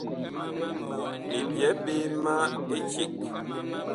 Mi byɛɛ ɓe ma eceg.